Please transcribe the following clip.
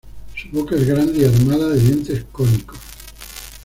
Su boca es grande y armada de dientes cónicos.